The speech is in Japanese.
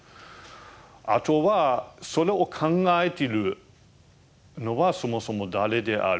あとはそれを考えているのはそもそも誰である。